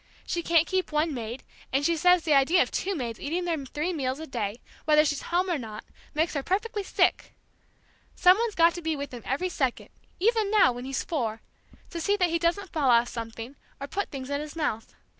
She can't keep one maid, and she says the idea of two maids eating their three meals a day, whether she's home or not, makes her perfectly sick! Some one's got to be with him every single second, even now, when he's four, to see that he doesn't fall off something, or put things in his mouth.